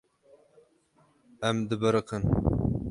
Em dibiriqin.